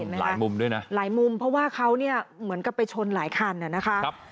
หลายมุมด้วยนะหลายมุมเพราะว่าเขาเนี่ยเหมือนกับไปชนหลายคันน่ะนะคะ